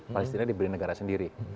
palestina diberi negara sendiri